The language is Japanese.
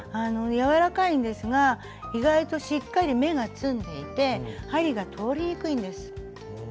柔らかいんですが意外としっかり目がつんでいて針が通りにくいんです。